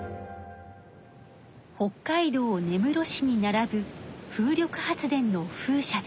北海道根室市にならぶ風力発電の風車です。